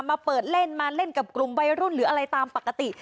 มาเปิดเล่นมาเล่นกับกลุ่มวัยรุ่นหรืออะไรตามปกติ